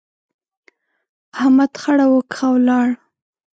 احمد خړه وکښه، ولاړ.